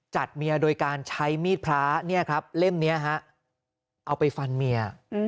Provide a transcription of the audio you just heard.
จัดเมียโดยการใช้มีดพระเล่มนี้เอาไปฟันเมีย